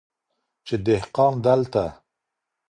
چي دهقان دلته